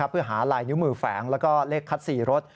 เพื่อหาลายนิ้วมือแฝงแล้วก็เลขคัด๔รถ